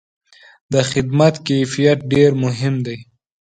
د خدمت کیفیت ډېر مهم دی.